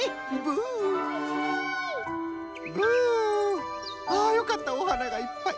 ぶんああよかったおはながいっぱい。